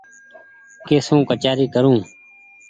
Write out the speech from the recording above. ڪي سون ڪچآري ڪرون ۔